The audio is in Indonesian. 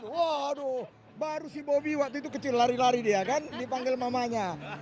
waduh baru si bobi waktu itu kecil lari lari dia kan dipanggil mamanya